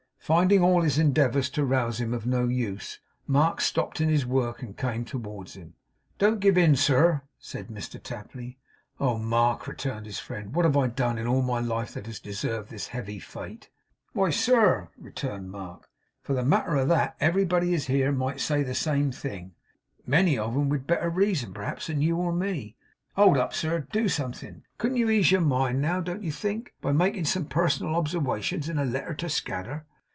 Finding all his endeavours to rouse him of no use, Mark stopped in his work and came towards him. 'Don't give in, sir,' said Mr Tapley. 'Oh, Mark,' returned his friend, 'what have I done in all my life that has deserved this heavy fate?' 'Why, sir,' returned Mark, 'for the matter of that, everybody as is here might say the same thing; many of 'em with better reason p'raps than you or me. Hold up, sir. Do something. Couldn't you ease your mind, now, don't you think, by making some personal obserwations in a letter to Scadder?